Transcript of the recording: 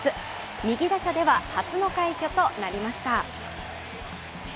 右打者では初の快挙となりました。